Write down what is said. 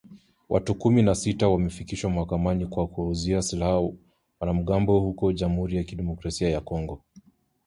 Watu kumi na sita wamefikishwa mahakamani kwa kuwauzia silaha wanamgambo huko Jamhuri ya Kidemokrasia ya Kongo